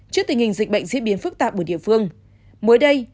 trước tình hình dịch bệnh diễn biến phức tạp ở địa phương mới đây